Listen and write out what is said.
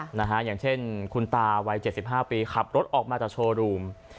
อย่างเช่นคุณตาวัย๗๕ปีขับรถออกมาจากโชว์รูม